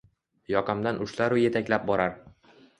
Yoqamdan ushlaru yetaklab borar